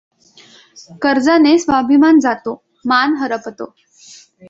कर्जाने स्वाभिमान जातो, मान हरपतो.